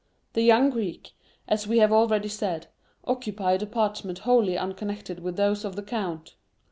The young Greek, as we have already said, occupied apartments wholly unconnected with those of the count.